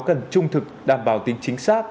cần trung thực đảm bảo tính chính xác